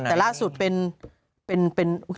แต่ล่าสุดเป็น